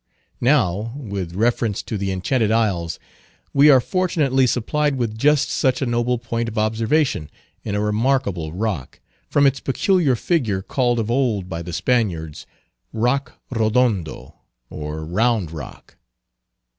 Now, with reference to the Enchanted Isles, we are fortunately supplied with just such a noble point of observation in a remarkable rock, from its peculiar figure called of old by the Spaniards, Rock Rodondo, or Round Rock.